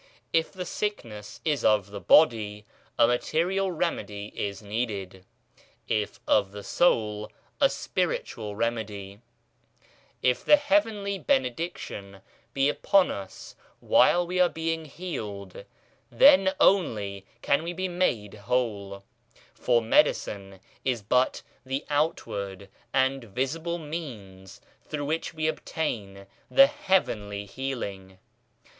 If the sickness is of the body, a material remedy is needed, if of the soul, a spiritual remedy If the Heavenly Benediction be upon us while we are being healed then only can we be made whole, for medi cine is but the outward and visible means through which we obtain the Heavenly healing.